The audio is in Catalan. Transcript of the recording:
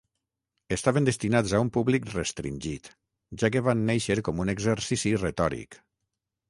Estaven destinats a un públic restringit, ja que van néixer com un exercici retòric.